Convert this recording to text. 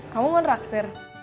kamu mau draktir